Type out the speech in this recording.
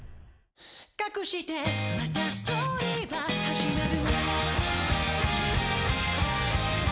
「かくしてまたストーリーは始まる」